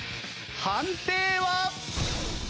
判定は。